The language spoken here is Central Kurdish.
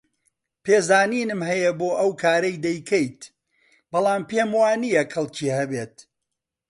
پێزانینم هەیە بۆ ئەو کارەی دەیکەیت، بەڵام پێم وانییە کەڵکی هەبێت.